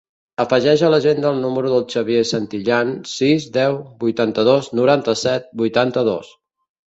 Afegeix a l'agenda el número del Xavier Santillan: sis, deu, vuitanta-dos, noranta-set, vuitanta-dos.